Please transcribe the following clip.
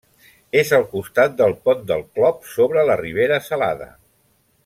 És al costat del pont del Clop sobre la Ribera Salada.